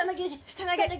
下投げで。